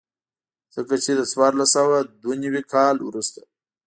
ځکه چې د څوارلس سوه دوه نوي کال وروسته.